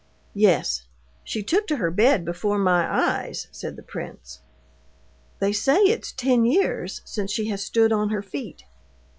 "Yes. She took to her bed before my eyes," said the prince. "They say it's ten years since she has stood on her feet."